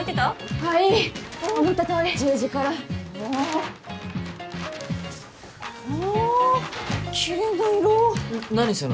はいい思ったとおり１０時からおおっきれいな色何すんの？